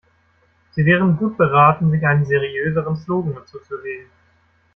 Sie wären gut beraten, sich einen seriöseren Slogan zuzulegen.